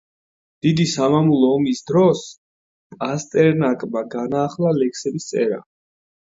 დიდი სამამულო ომის დროს პასტერნაკმა განაახლა ლექსების წერა.